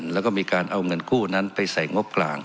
แล้วก็มีการเอาเงินกู้นั้นไปใส่งบกลาง